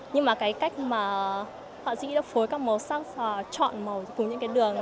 nhưng mà cái cách mà họa sĩ đã phối các màu sắc và chọn màu cùng những cái đường